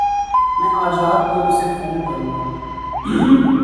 میں اج رات کو اسے فون کروں گا